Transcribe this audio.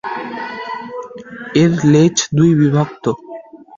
এর লেজ দুইবিভক্ত।